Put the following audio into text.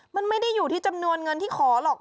มันไม่ได้อยู่ที่จำนวนเงินที่ขอหรอก